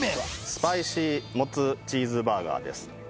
スパイシーモツチーズバーガーです